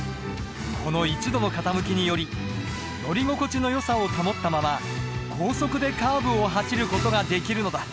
この１度の傾きにより乗り心地のよさを保ったまま高速でカーブを走る事ができるのだ。